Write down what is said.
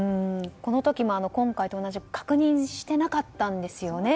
この時も、今回と同じく確認していなかったんですよね